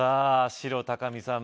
白・高見さん